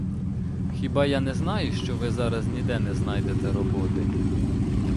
Хіба я не знаю, що ви зараз ніде не знайдете роботи?